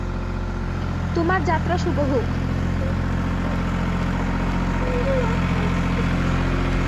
তোমার যাত্রা শুভ হোক।